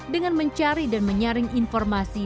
dengan mencari dan menyaring informasi